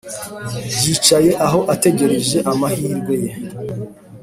yicaye aho ategereje amahirwe ye.